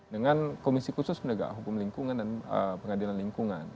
dengan komisi khusus pendegak hukum lingkungan dan pengadilan